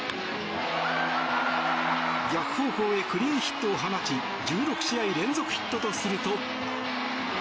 逆方向へクリーンヒットを放ち１６試合連続ヒットとすると。